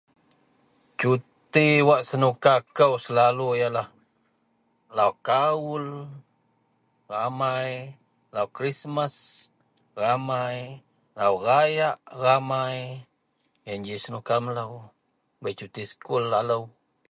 Cuti wak senuka kou selalu yenlah Lau Kaul ramai, Lau Krismas ramai, Lau Rayak ramai, yen ji #nuka melou, bei cuti sekul alou.